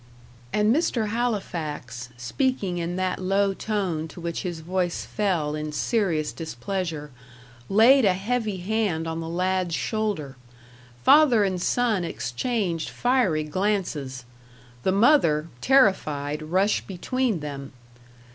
And Mr. Halifax, speaking in that low tone to which his voice fell in serious displeasure, laid a heavy hand on the lad's shoulder. Father and son exchanged fiery glances. The mother, terrified, rushed between them.